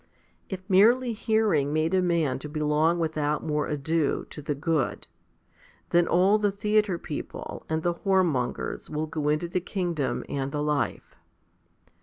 If merely hearing made a man to belong without more ado to the good, then all the theatre people and the whore mongers will go into the kingdom and the life.